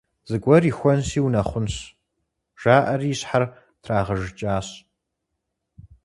«Зыгуэр ихуэнщи унэхъунщ», – жаӏэри, и щхьэр трагъэжыкӏащ.